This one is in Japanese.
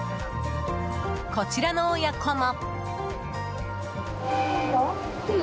こちらの親子も。